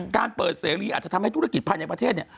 การเปิดเสรีอาจจะทำให้ธุรกิจภายในประเทศเนี่ย